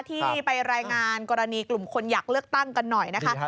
ที่ไปรายงานกรณีกลุ่มคนอยากเลือกตั้งกันหน่อยนะคะ